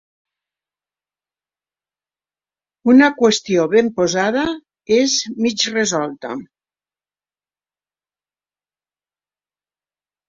Una qüestió ben posada és mig resolta.